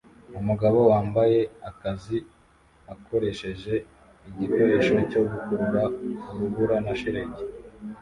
Umugabo wambaye akazi akoresheje igikoresho cyo gukuraho urubura na shelegi